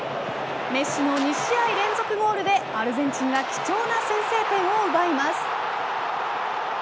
メッシの２試合連続ゴールでアルゼンチンが貴重な先制点を奪います。